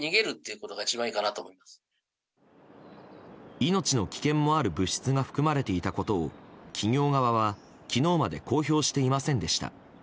命の危険もある物質が含まれていたことを企業側は昨日まで公表していませんでした。